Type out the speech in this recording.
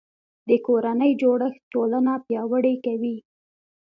د کورنۍ جوړښت ټولنه پیاوړې کوي